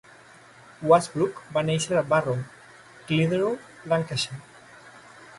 Washbrook va néixer a Barrow, Clitheroe (Lancashire).